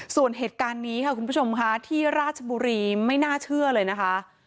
ส่วนเหตุการณ์นี้ค่ะคุณผู้ชมค่ะที่ราชบุรีไม่น่าเชื่อเลยนะคะ